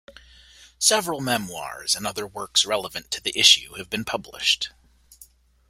Several memoirs and other works relevant to the issue have been published.